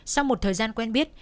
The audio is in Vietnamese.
sau một thời gian quen biết